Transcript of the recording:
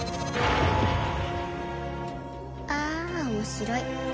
あー面白い。